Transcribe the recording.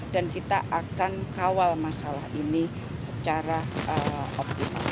dan kita akan kawal masalah ini secara optimal